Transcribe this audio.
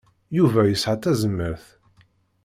Yuba yesɛa tazmert.